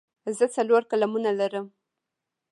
زه څلور قلمونه لرم.